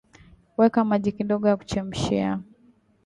weka maji kidogo ya kuchemshia